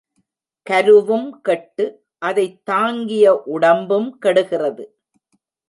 கருவும் கெட்டு, அதைத் தாங்கிய உடம்பும் கெடுகிறது.